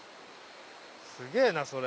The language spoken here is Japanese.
すげえなそれ！